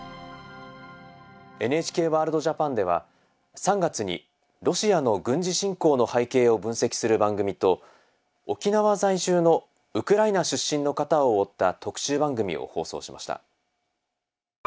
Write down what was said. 「ＮＨＫワールドＪＡＰＡＮ」では３月にロシアの軍事侵攻の背景を分析する番組と沖縄在住のウクライナ出身の方を追った特集番組を放送しました。